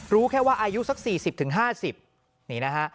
รู้แค่ว่าอายุสัก๔๐๕๐นี่นะฮะ